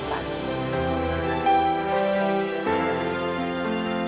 kau tak bisa mencoba